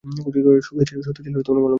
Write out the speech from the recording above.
শক্তিশালী মলমের কৌটো।